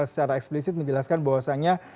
secara eksplisit menjelaskan bahwasannya